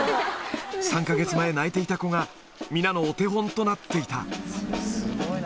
３か月前、泣いていた子が、皆のお手本となっていた。